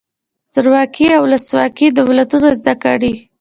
زورواکي او ولسواکي دولتونه زده کړئ.